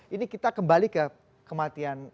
ini kita kembali ke kematian